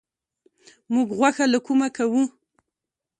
موږ غوښه له کومه کوو؟